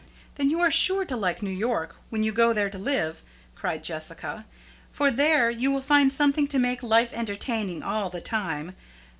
"Then you are sure to like New York when you go there to live," cried Jessica; "for there you will find something to make life entertaining all the time.